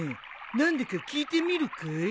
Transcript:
何でか聞いてみるかい？